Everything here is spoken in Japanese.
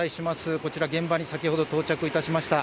こちら、現場に先ほど到着いたしました。